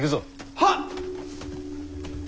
はっ！